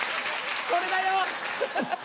それだよ！